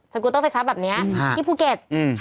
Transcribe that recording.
สกูเตอร์สักซะแบบเนี่ยที่ภูเก็ต